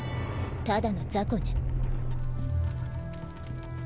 ただの雑魚ね。